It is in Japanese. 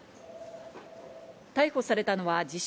逮捕されたのは自称